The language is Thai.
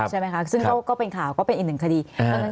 ใช่ไหมคะซึ่งก็เป็นข่าวก็เป็นอีกหนึ่งคดี